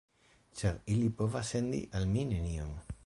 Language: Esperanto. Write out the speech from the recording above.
Ĉar ili povas sendi al mi nenion.